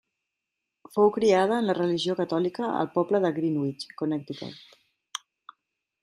Fou criada en la religió catòlica al poble de Greenwich, Connecticut.